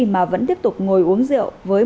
mà vẫn tiếp tục ngồi uống rượu với